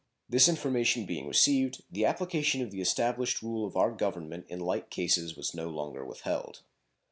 This information being received, the application of the established rule of our Government in like cases was no longer withheld.